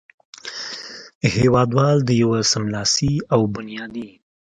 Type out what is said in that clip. هېوادوال د یوه سملاسي او بنیادي